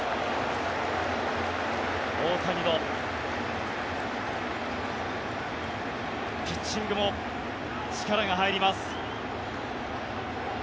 大谷のピッチングも力が入ります。